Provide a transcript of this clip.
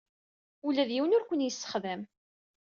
Ula d yiwen ur ken-yessexdam.